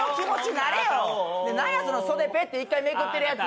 なんやその袖ペッて一回めくってるやつ！